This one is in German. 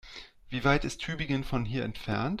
Wie weit ist Tübingen von hier entfernt?